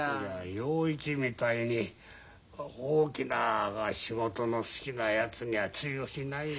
洋一みたいに大きな仕事の好きなやつには通用しないよ。